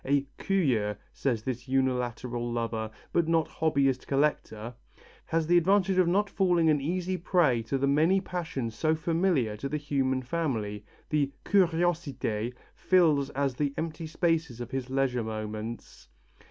"... A curieux," says this unilateral lover but not hobbyist collector, "has the advantage of not falling an easy prey to the many passions so familiar to the human family: the curiosité fills all the empty spaces of his leisure moments.